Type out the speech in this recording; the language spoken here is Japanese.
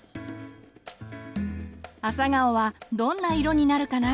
アサガオはどんな色になるかな？